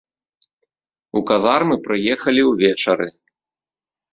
У казармы прыехалі ўвечары.